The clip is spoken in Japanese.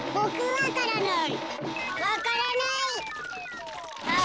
わからない。